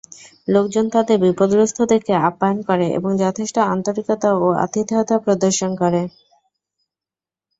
লোকজন তাদের বিপদগ্রস্ত দেখে আপ্যায়ন করে এবং যথেষ্ট আন্তরিকতা ও আতিথেয়তা প্রদর্শন করে।